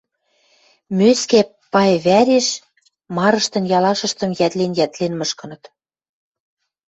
мӧскӓ пай вӓреш марыштын ялашыштым йӓтлен-йӓтлен мышкыныт.